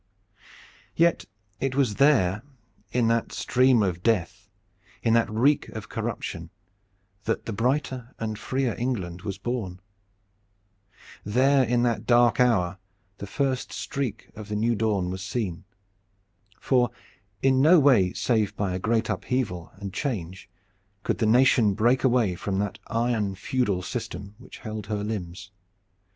Yet it was there in that stream of death, in that reek of corruption, that the brighter and freer England was born. There in that dark hour the first streak of the new dawn was seen. For in no way save by a great upheaval and change could the nation break away from that iron feudal system which held her limbs.